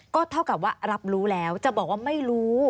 ก็เท่ากับว่ารับรู้แล้วจะบอกว่าไม่รู้